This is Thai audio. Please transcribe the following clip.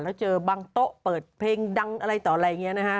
แล้วเจอบางโต๊ะเปิดเพลงดังอะไรต่ออะไรอย่างนี้นะฮะ